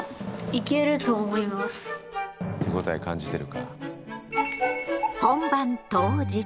手応え感じてるか。